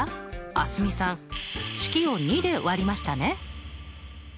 蒼澄さん式を２で割りましたね。